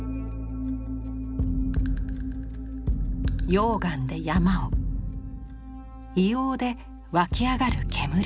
溶岩で山を硫黄で湧き上がる煙を。